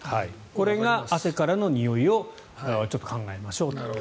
これが汗からのにおいを考えましょうと。